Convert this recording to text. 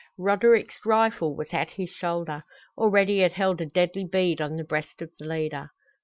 Roderick's rifle was at his shoulder. Already it held a deadly bead on the breast of the leader.